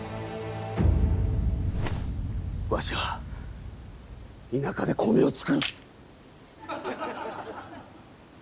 わしは田舎で米を作る！